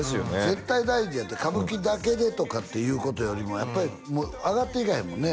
絶対大事やって歌舞伎だけでとかっていうことよりもやっぱりもう上がっていかへんもんね